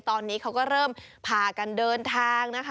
ตอนนี้เขาก็เริ่มพากันเดินทางนะคะ